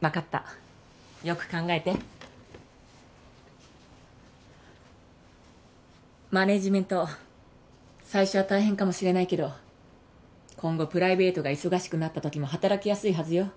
分かったよく考えてマネジメント最初は大変かもしれないけど今後プライベートが忙しくなった時も働きやすいはずよ